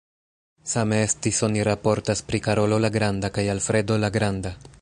Same estis, oni raportas, pri Karolo la Granda kaj Alfredo la Granda.